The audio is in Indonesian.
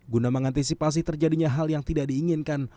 guna mengantisipasi terjadinya hal yang tidak diinginkan